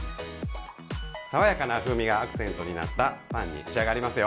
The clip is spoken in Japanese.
爽やかな風味がアクセントになったパンに仕上がりますよ。